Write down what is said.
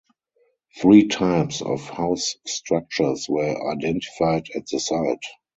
Three types of house structures were identified at the site.